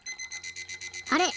あれ？